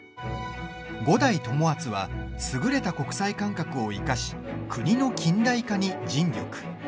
五代友厚は優れた国際感覚を生かし国の近代化に尽力。